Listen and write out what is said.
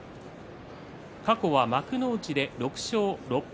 過去は幕内で６勝６敗